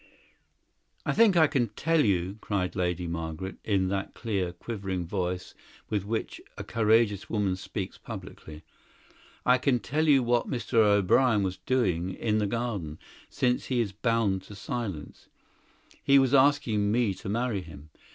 "I think I can tell you," cried Lady Margaret, in that clear, quivering voice with which a courageous woman speaks publicly. "I can tell you what Mr. O'Brien was doing in the garden, since he is bound to silence. He was asking me to marry him.